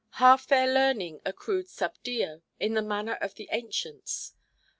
Half their learning accrued sub dio, in the manner of the ancients.